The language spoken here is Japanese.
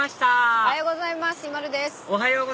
おはようございます